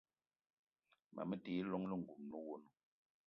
Ma me ti yi llong lengouna le owono.